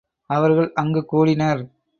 அவர்கள் அங்குக் கூடினர்.